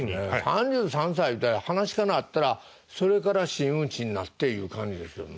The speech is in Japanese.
３３歳いうたら噺家なったらそれから真打ちになっていう感じですよね。